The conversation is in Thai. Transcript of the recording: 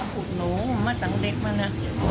ผูดหนูมาตั้งเด็กมานะ